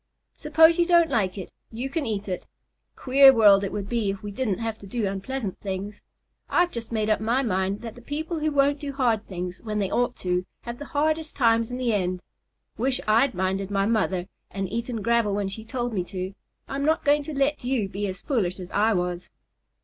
"Suppose you don't like it, you can eat it. Queer world it would be if we didn't have to do unpleasant things. I've just made up my mind that the people who won't do hard things, when they ought to, have the hardest times in the end. Wish I'd minded my mother and eaten gravel when she told me to, and I'm not going to let you be as foolish as I was."